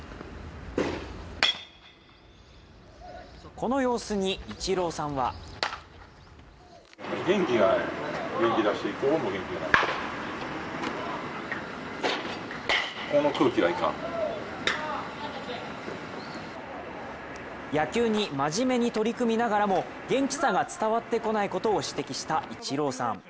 この様子にイチローさんは野球にまじめに取り組みながらも元気さが伝わってこないことを指摘したイチローさん。